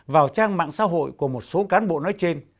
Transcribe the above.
vào trang mạng xã hội của một số cán bộ nói trên